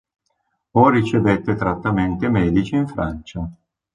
O Ricevette trattamenti medici in Francia.